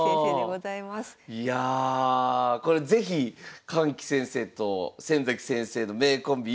いやこれ是非神吉先生と先崎先生の名コンビ